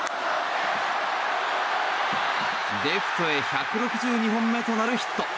レフトへ１６２本目となるヒット。